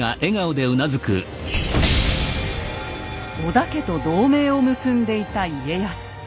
織田家と同盟を結んでいた家康。